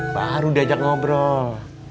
baru diajak ngobrol